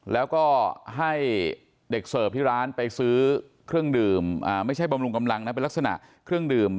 แล้วก็ให้เด็กเสิร์ฟที่ร้านไปซื้อเครื่องดื่มไม่ใช่บำรุงกำลังนะเป็นลักษณะเครื่องดื่ม